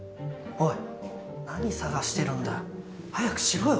おい何探してるんだよ。早くしろよ。